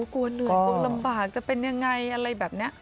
กลัวเหนื่อยกลัวลำบากจะเป็นยังไงอะไรแบบนี้